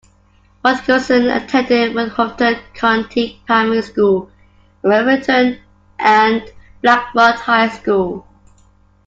Watkinson attended Westhoughton County Primary School, and Rivington and Blackrod High School.